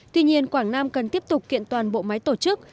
tuy nhiên quảng nam cần tiếp tục kiện toàn bộ máy tổ chức